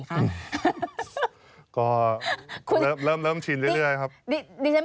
ก็เริ่มชินเรื่อย